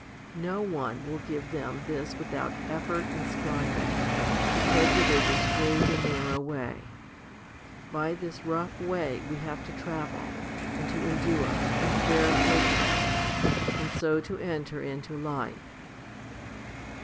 No one will give them this without effort and striving, because it is a straight and narrow way. By this rough way we have to travel, and to endure, and bear affliction, and so to enter into life.